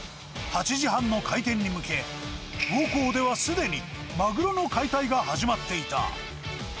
８時半の開店に向け、魚幸ではすでに、マグロの解体が始まっていた。